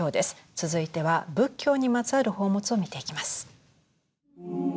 続いては仏教にまつわる宝物を見ていきます。